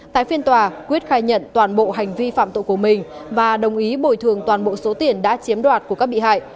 tại phiên tòa quyết khai nhận toàn bộ hành vi phạm tội của mình và đồng ý bồi thường toàn bộ số tiền đã chiếm đoạt của các bị hại